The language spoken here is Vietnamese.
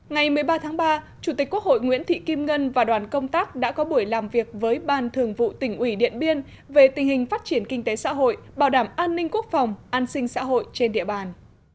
ngày một mươi ba tháng ba chủ tịch quốc hội nguyễn thị kim ngân và đoàn công tác đã có buổi làm việc với ban thường vụ tỉnh ủy điện biên về tình hình phát triển kinh tế xã hội bảo đảm an ninh quốc phòng an sinh xã hội trên địa bàn